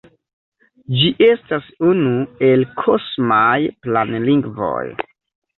Ĝi estas unu el "kosmaj planlingvoj".